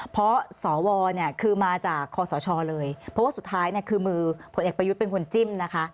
เพราะสวเนี่ยคือมาจากคอสชเลยเพราะว่าสุดท้ายเนี่ยคือมือผลเอกประยุทธ์เป็นคนจิ้มนะคะ